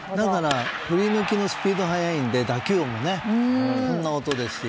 振り抜きのスピードが速いので打球音もこんな音ですし。